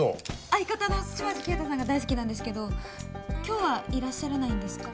相方の島地圭太さんが大好きなんですけど今日はいらっしゃらないんですか？